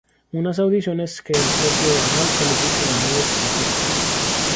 Unas audiciones que el propio Bernal califica de muy exigentes.